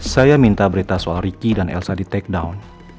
saya minta berita soal ricky dan elsa di take down